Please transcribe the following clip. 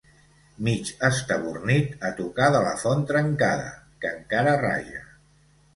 Mig estabornit a tocar de la font trencada, que encara raja.